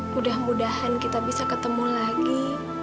mudah mudahan kita bisa ketemu lagi